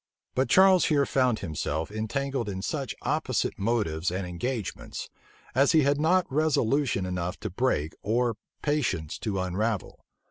But Charles here found himself entangled in such opposite motives and engagements, as he had not resolution enough to break, or patience to unravel.